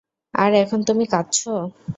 আর এখন তুমি কাঁদছো!